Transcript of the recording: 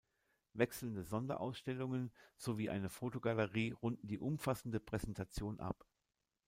Wechselnde Sonderausstellungen sowie eine Fotogalerie runden die umfassende Präsentation ab.